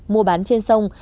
mua bán trên sông